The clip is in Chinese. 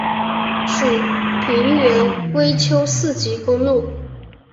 属平原微丘四级公路。